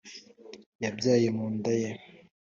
yabyaye mu nda ye.